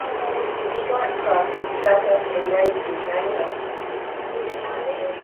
The Strike Craft of the South African Navy was named after him.